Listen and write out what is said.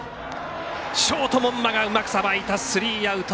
ショート、門間がうまくさばいてスリーアウト。